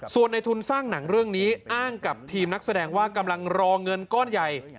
ส่วนในทุนสร้างหนังเรื่องนี้อ้างกับทีมนักแสดงว่ากำลังรอเงินก้อนใหญ่